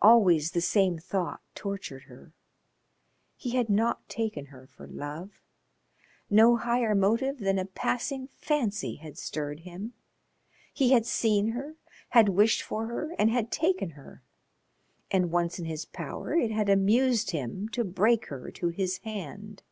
Always the same thought tortured her he had not taken her for love. No higher motive than a passing fancy had stirred him. He had seen her, had wished for her and had taken her, and once in his power it had amused him to break her to his hand.